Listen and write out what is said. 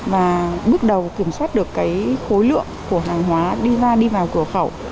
và bước đầu kiểm soát được cái khối lượng của hàng hóa đi ra đi vào cửa khẩu